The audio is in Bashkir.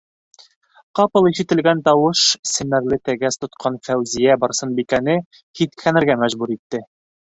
- Ҡапыл ишетелгән тауыш семәрле тәгәс тотҡан Фәүзиә-Барсынбикәне һиҫкәнергә мәжбүр итте.